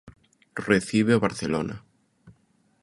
Recibe o Barcelona.